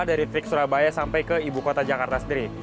dari trik surabaya sampai ke ibu kota jakarta sendiri